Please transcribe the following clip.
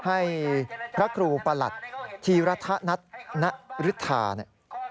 ให้พระครูประหลัดธีรธนัทณฤทธาเนี่ย